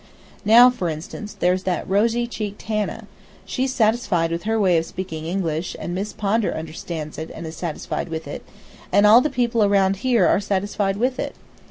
Now, for instance, there's that rosy cheeked Hannah. She's satisfied with her way of speaking English, and Miss Pondar understands it and is satisfied with it, and all the people around here are satisfied with it.